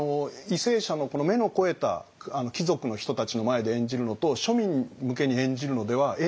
為政者の目の肥えた貴族の人たちの前で演じるのと庶民向けに演じるのでは演じ方を変えろと。